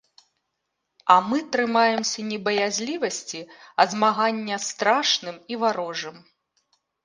А мы трымаемся не баязлівасці, а змагання з страшным і варожым.